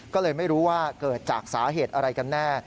ก็เลยไม่รู้ว่าเกิดจากสาเหตุอะไรกันแน่